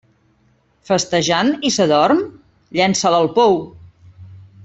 Festejant, i s'adorm?: llença'l al pou.